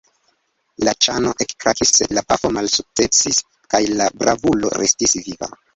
La ĉano ekkrakis, sed la pafo malsukcesis, kaj la bravulo restis viva.